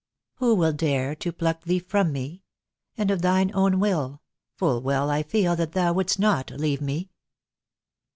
"Who will dare To pluck thee from me? And of thine own will, Full well I feel that thou would'st not leave me."